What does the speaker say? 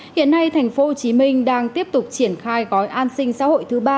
hiện nay thành phố hồ chí minh đang tiếp tục triển khai gói an sinh xã hội thứ ba